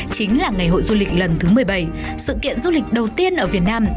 chính là ngày hội du lịch lần thứ một mươi bảy sự kiện du lịch đầu tiên ở việt nam